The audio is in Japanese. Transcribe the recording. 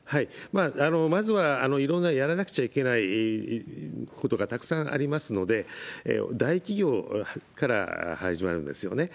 まずはいろんなやらなくちゃいけないことがたくさんありますので、大企業から始まるんですよね。